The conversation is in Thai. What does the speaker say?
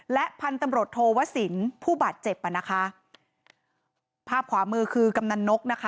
และพันธุ์ตำรวจโทวศิลป์ผู้บาดเจ็บภาพขวามือคือกำนันนก